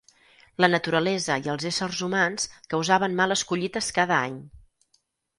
La naturalesa i els éssers humans causaven males collites cada any.